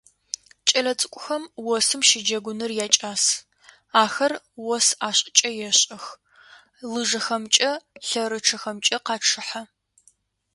Кӏэлэцӏыкӏухэм осым щыджэгуныр якӏас: ахэр ос ӏашкӏэ ешӏэх, лыжэхэмкӏэ, лъэрычъэхэмкӏэ къачъыхьэ.